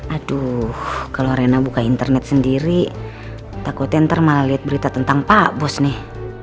aduh kalau rena buka internet sendiri takutnya ntar malah lihat berita tentang pak bos nih